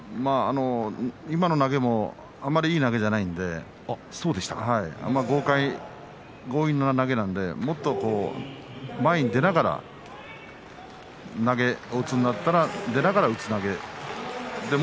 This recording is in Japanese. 今の投げもあまりいい投げじゃないんで豪快に強引なだけなんでもっと前に出ながら投げを打つんだったら出ながら打つ。